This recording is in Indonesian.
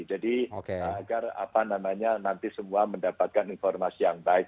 jadi agar nanti semua mendapatkan informasi yang baik